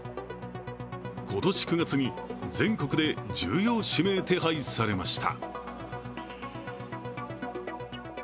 今年９月に全国で重要指名手配されました。